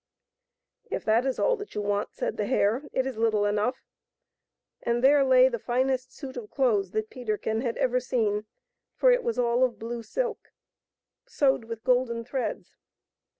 " If that is all that you want," said the Hare, " it is little enough ;" and there lay the finest suit of clothes that Peterkin had ever seen, for it was all of blue silk sewed with golden threads.